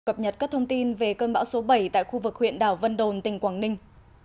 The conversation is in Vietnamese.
cập nhật các thông tin về cơn bão số bảy tại khu vực huyện đảo vân đồn tỉnh quảng ninh